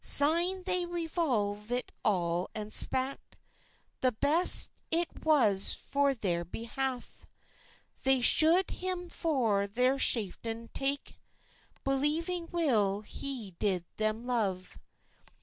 Syne they resolvit all and spak, That best it was for thair behoif, They sould him for thair chiftain tak, Believing weil he did them luve.